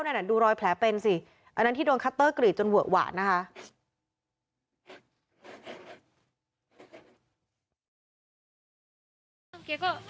นั่นดูรอยแผลเป็นสิอันนั้นที่โดนคัตเตอร์กรีดจนเวอะหวะนะคะ